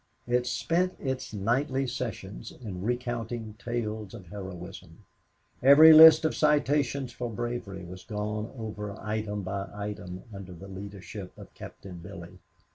It spent its nightly sessions in recounting tales of heroism. Every list of citations for bravery was gone over item by item, under the leadership of Captain Billy.